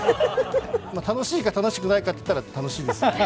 楽しいか楽しくないかといったら楽しいです。